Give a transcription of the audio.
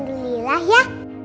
om dililah ya